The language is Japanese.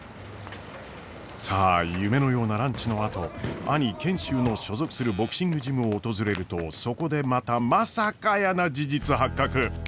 さあ夢のようなランチのあと兄賢秀の所属するボクシングジムを訪れるとそこでまたまさかやーな事実発覚！